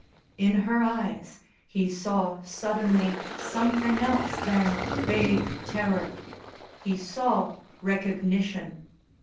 In her eyes he saw suddenly something else than vague terror. He saw recognition.